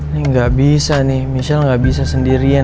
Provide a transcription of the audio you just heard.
nih gak bisa nih michelle gak bisa sendirian